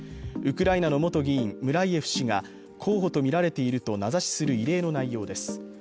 ウクライナの元議員、ムライェフ氏が候補とみられていると名指しする異例の内容です。